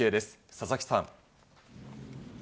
佐々木さん。